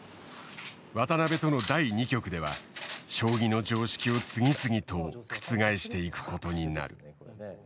渡辺との第２局では将棋の常識を次々と覆していくことになる。